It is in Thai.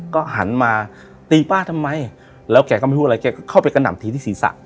ก็หันมาตีป้าทำไมแล้วแกก็ไม่พูดอะไรแกก็เข้าไปกระหน่ำทีที่ศีรษะ